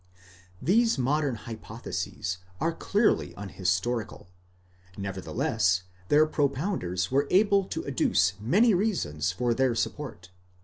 These modern hypotheses are clearly unhistorical ;® nevertheless, their propounders were able to adduce many reasons in their support.